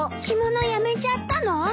着物やめちゃったの？